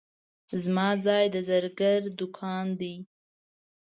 زما ځای د زرګر دوکان دی.